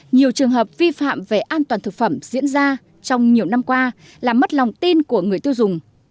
nhiều trường hợp vi phạm về an toàn thực phẩm diễn ra trong nhiều năm qua làm mất lòng tin của người tiêu dùng